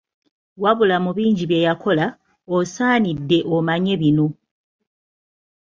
Wabula mu bingi bye yakola, osaanidde omanye bino.